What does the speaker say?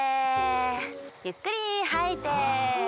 ゆっくりはいて。